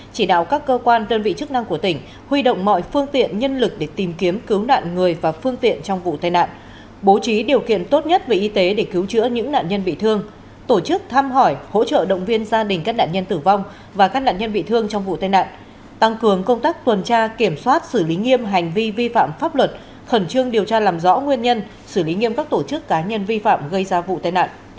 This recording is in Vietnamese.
chỉ đạo các cơ quan đơn vị chức năng của tỉnh huy động mọi phương tiện nhân lực để tìm kiếm cứu nạn người và phương tiện trong vụ tai nạn bố trí điều kiện tốt nhất về y tế để cứu chữa những nạn nhân bị thương tổ chức thăm hỏi hỗ trợ động viên gia đình các nạn nhân tử vong và các nạn nhân bị thương trong vụ tai nạn tăng cường công tác tuần tra kiểm soát xử lý nghiêm hành vi vi phạm pháp luật khẩn trương điều tra làm rõ nguyên nhân xử lý nghiêm các tổ chức cá nhân vi phạm gây ra vụ tai nạn